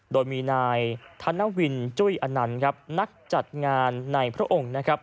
โดยมีนายธานวินจุ้ยอนันต์นักจัดงานในพระองค์